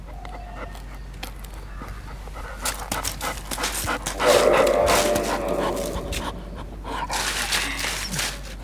Uwaga, panie i panowie